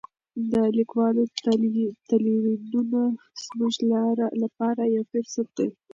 د لیکوالو تلینونه زموږ لپاره یو فرصت دی.